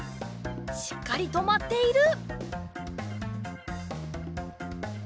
しっかりとまっている！